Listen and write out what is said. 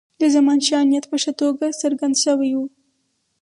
د زمانشاه نیت په ښه توګه څرګند شوی وو.